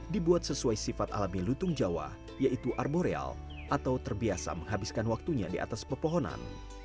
dibuat sesuai sifat alami lutung jawa yaitu arboreal atau terbiasa menghabiskan waktunya di atas pepohonan